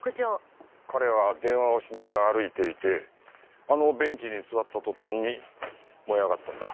彼は電話をしながら歩いていてあのベンチに座った途端に燃え上がったんだ。